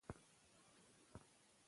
د لیکنې ګډوډي منفي اغېزه لري.